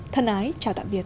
thân ái chào tạm biệt